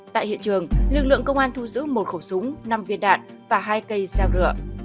tại hiện trường lực lượng công an thu giữ một khẩu súng năm viên đạn và hai cây dao rượu